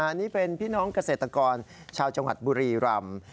อันนี้เป็นพี่น้องเกษตรกรชาวจังหวัดบุรีรำ